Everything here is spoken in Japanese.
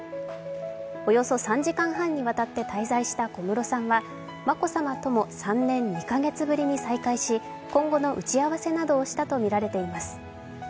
およそ３時間半にわたって滞在した小室さんは、眞子さまとも３年２カ月ぶりに再会し、今後の打ち合わせなどをしたとみられいています。